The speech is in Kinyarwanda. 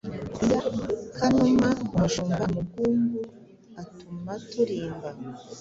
Iya Kanuma umushumba umugungu atuma turimba